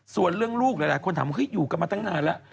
ส่วนเรื่องลูกหลายคนถามว่าอยู่กันมาตั้งนานแล้ว